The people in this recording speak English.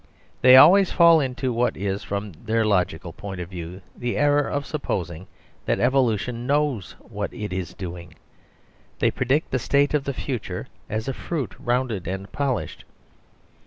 They always fall into what is (from their logical point of view) the error of supposing that evolution knows what it is doing. They predict the State of the future as a fruit rounded and polished.